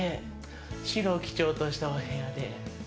白を基調としたお部屋で。